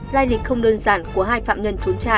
lai lịch không đơn giản của hai phạm nhân trốn tra